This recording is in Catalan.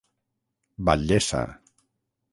Batllessa.